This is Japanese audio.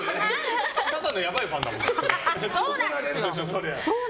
ただのやばいファンだよ。